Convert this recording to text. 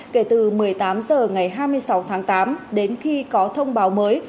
kể từ một mươi tám h ngày hai mươi sáu tháng tám đến khi có thông báo mới